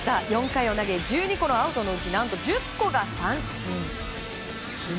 ４回を投げ１２個のアウトのうち何と、１０個が三振！